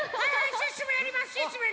シュッシュもやります！